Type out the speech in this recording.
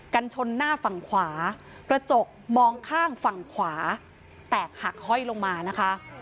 กันชนหน้าฝั่งขวากระจกมองข้างฝั่งขวาแตกหักห้อยลงมานะคะ